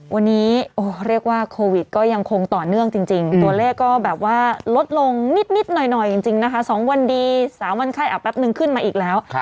วันนี้เรียกว่าโควิดก็ยังคงต่อเนื่องจริงตัวเลขก็แบบว่าลดลงนิดหน่อยจริงนะคะ๒วันดี๓วันไข้อาบแป๊บนึงขึ้นมาอีกแล้ว